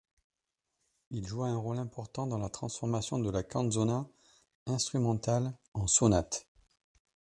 Il joua un rôle important dans la transformation de la canzona instrumentale en sonate.